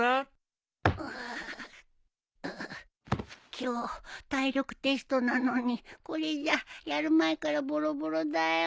今日体力テストなのにこれじゃやる前からボロボロだよ。